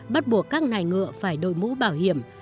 bắt buộc các nài ngựa phải đội mũ bảo hiểm